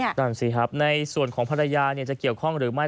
อย่างนั้นในส่วนของภรรยาจะเกี่ยวข้องหรือไม่